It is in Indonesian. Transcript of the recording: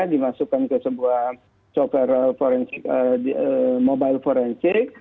dimasukkan ke sebuah soccer mobile forensik